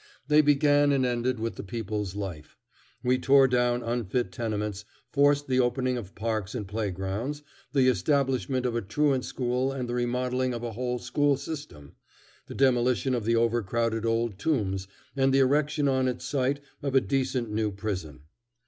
They began and ended with the people's life. We tore down unfit tenements, forced the opening of parks and playgrounds, the establishment of a truant school and the remodelling of the whole school system, the demolition of the overcrowded old Tombs and the erection on its site of a decent new prison.